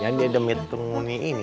jadi dia demi penghuni ini